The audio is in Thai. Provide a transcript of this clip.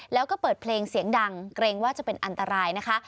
แล้วก็เปิดเพลงเสียงดังเกรงว่าจะเป็นอันตรายนะคะ